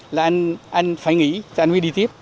là anh phải nghỉ thì anh mới đi tiếp